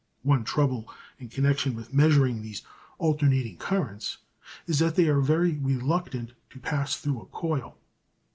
One trouble in connection with measuring these alternating currents is that they are very reluctant to pass through a coil.